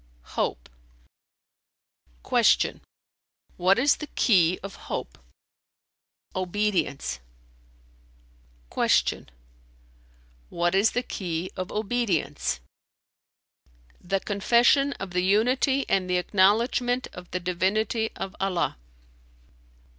"Hope." Q "What is the key of hope?" "Obedience." Q "What is the key of obedience?" "The confession of the Unity and the acknowledgment of the divinity of Allah."